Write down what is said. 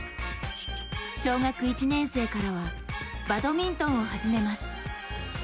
小学１年生からは、バドミントンを始めます。